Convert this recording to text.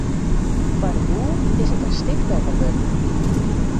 Foar de boer is it in stik better wurden.